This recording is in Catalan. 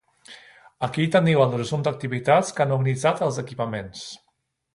Aquí teniu el resum d'activitats que han organitzat els equipaments.